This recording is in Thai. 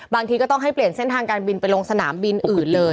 บางทีก็ต้องให้เปลี่ยนเส้นทางการบินไปลงสนามบินอื่นเลย